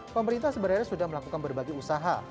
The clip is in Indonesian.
pemerintah sebenarnya sudah melakukan berbagai usaha